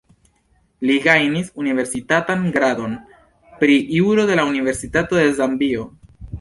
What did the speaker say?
Li gajnis universitatan gradon pri juro de la Universitato de Zambio.